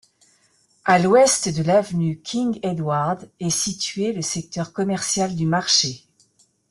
À l'ouest de l'avenue King Edward est situé le secteur commercial du Marché.